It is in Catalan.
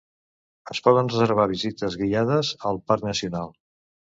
Es poden reservar visites guiades al parc nacional.